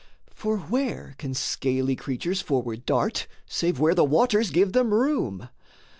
For where can scaly creatures forward dart, Save where the waters give them room?